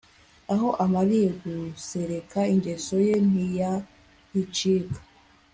aho amariye gusereka ingeso ye ntiyayicika